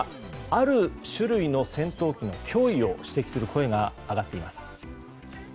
ある種類の戦闘機の脅威を指摘する声が上がっています。